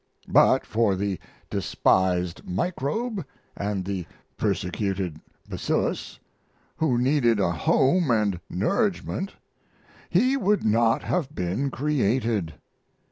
But for the despised microbe and the persecuted bacillus, who needed a home and nourishment, he would not have been created.